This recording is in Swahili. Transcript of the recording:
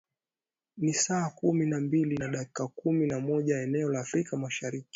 ni saa kumi na mbili na dakika kumi na moja eneo la afrika mashariki